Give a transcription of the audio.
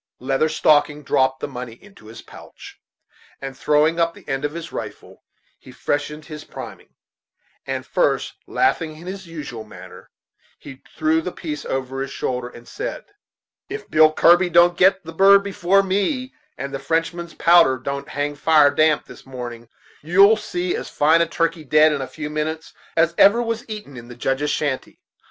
Leather Stocking dropped the money into his pouch, and throwing up the end of his rifle he freshened his priming; and first laughing in his usual manner, he threw the piece over his shoulder, and said: "If Billy Kirby don't get the bird before me, and the Frenchman's powder don't hang fire this damp morning, you'll see as fine a turkey dead, in a few minutes, as ever was eaten in the Judge's shanty.